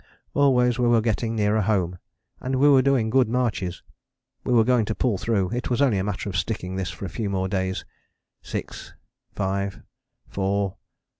Always we were getting nearer home: and we were doing good marches. We were going to pull through; it was only a matter of sticking this for a few more days; six, five, four